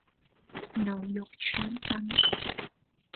牛肉腸粉